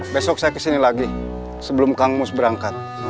besok saya kesini lagi sebelum kang mus berangkat